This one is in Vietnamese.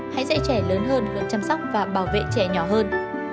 hãy dạy trẻ lớn hơn luôn chăm sóc và bảo vệ trẻ nhỏ hơn